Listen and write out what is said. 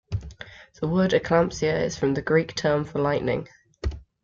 The word eclampsia is from the Greek term for lightning.